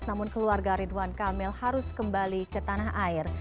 namun keluarga ridwan kamil harus kembali ke tanah air